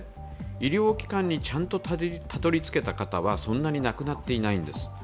医療機関にちゃんとたどりつけた方は、そんなに亡くなっていないんです。